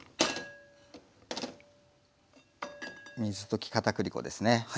水溶き片栗粉ですね。